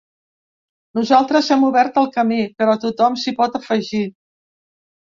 Nosaltres hem obert el camí, però tothom s’hi pot afegir.